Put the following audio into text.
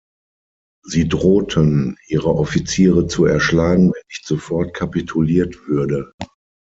Sie drohten, ihre Offiziere zu erschlagen, wenn nicht sofort kapituliert würde.